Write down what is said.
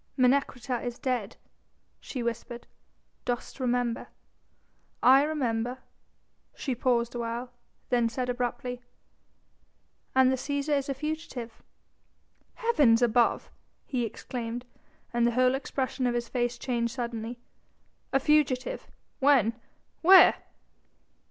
"Menecreta is dead," she whispered; "dost remember?" "I remember." She paused a while, then said abruptly: "And the Cæsar is a fugitive." "Heavens above!" he exclaimed, and the whole expression of his face changed suddenly; "a fugitive?... when?... where...?"